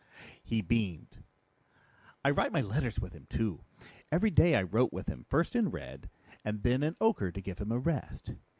He beamed. "I write my letters with him too. Every day I wrote with him, first in red, and then in ochre to give him a rest.